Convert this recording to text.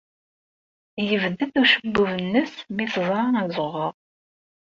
Yebded ucebbub-nnes mi teẓra azɣuɣ.